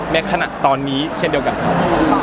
ในขณะตอนนี้เช่นเดียวกันครับ